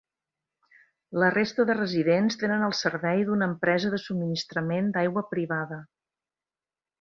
La resta de residents tenen el servei d'una empresa de subministrament d'aigua privada.